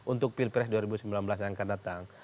untuk pilpres dua ribu sembilan belas yang akan datang